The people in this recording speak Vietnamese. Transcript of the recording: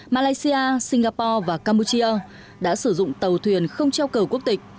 malaysia singapore và campuchia đã sử dụng tàu thuyền không treo cờ quốc tịch